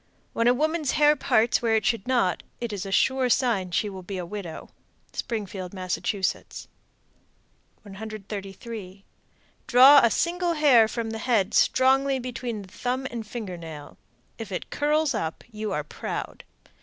When a woman's hair parts where it should not, it is a sure sign she will be a widow. Springfield, Mass. 133. Draw a single hair from the head strongly between the thumb and finger nail. If it curls up, you are proud.